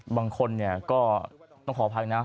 บางคนก็ต้องขอพักนะ